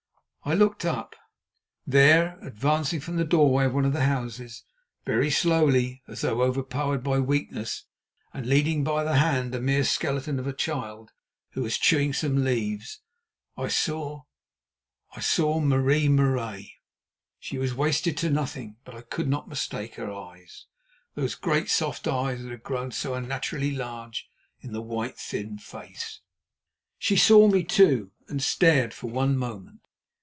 I looked up. There, advancing from the doorway of one of the houses, very slowly, as though overpowered by weakness, and leading by the hand a mere skeleton of a child, who was chewing some leaves, I saw—I saw Marie Marais! She was wasted to nothing, but I could not mistake her eyes, those great soft eyes that had grown so unnaturally large in the white, thin face. She too saw me and stared for one moment.